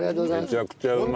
めちゃくちゃうまい。